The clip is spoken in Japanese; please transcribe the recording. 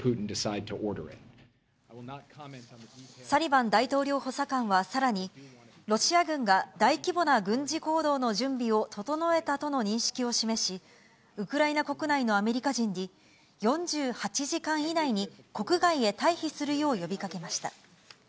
サリバン大統領補佐官はさらに、ロシア軍が大規模な軍事行動の準備を整えたとの認識を示し、ウクライナ国内のアメリカ人に、４８時間以内に国外へ退避するよう呼びかけました。